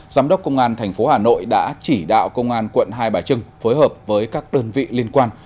giám đốc công an tp hà nội đã chỉ đạo công an quận hai bà trưng phối hợp với các đơn vị liên quan